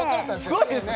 すごいですね！